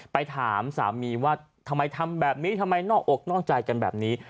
ไปถามสามีว่าทำไมทำแบบนี้ทำไมนอกอกนอกใจกันแบบนี้